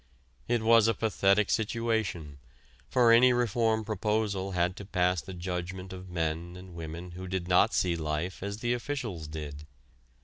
It was a pathetic situation, for any reform proposal had to pass the judgment of men and women who did not see life as the officials did.